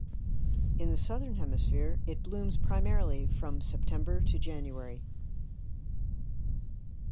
In the Southern Hemisphere it blooms primarily from September to January.